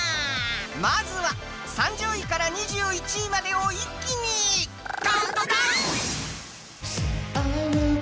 まずは３０位から２１位までを一気にカウントダウン！